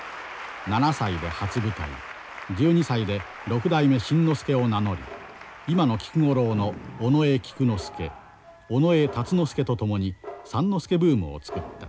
７歳で初舞台１２歳で六代目新之助を名乗り今の菊五郎の尾上菊之助尾上辰之助と共に三之助ブームを作った。